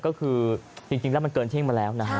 ก็คือจริงแล้วมันเกินเที่ยงมาแล้วนะฮะ